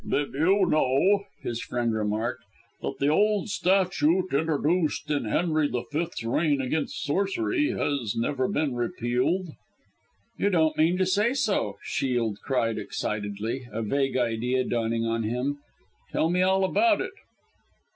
"Did you know," his friend remarked, "that the old statute, introduced in Henry the Fifth's reign against sorcery, has never been repealed?" "You don't mean to say so," Shiel cried excitedly a vague idea dawning on him. "Tell me all about it."